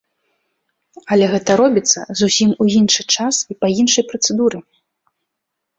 Але гэта робіцца зусім у іншы час і па іншай працэдуры.